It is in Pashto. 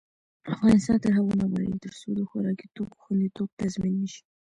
افغانستان تر هغو نه ابادیږي، ترڅو د خوراکي توکو خوندیتوب تضمین نشي.